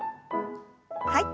はい。